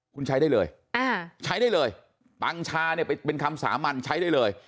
คุณใช้ได้เลยใช้ได้เลยปังชาเนี่ยเป็นคำสามัญใช้ได้เลย